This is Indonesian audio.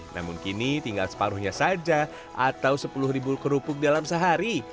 namun kini tinggal separuhnya saja atau sepuluh ribu kerupuk dalam sehari